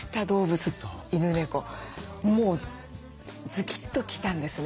もうズキッと来たんですね。